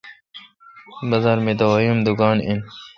بازار می دوای ام دکان این۔